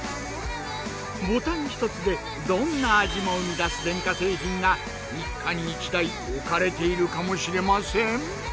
ボタン１つでどんな味も生み出す電化製品が一家に１台置かれているかもしれません！